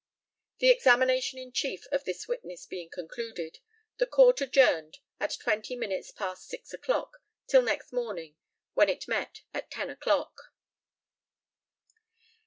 The examination in chief of this witness being concluded, the Court adjourned, at twenty minutes past six o'clock, till next morning, when it met at ten o'clock.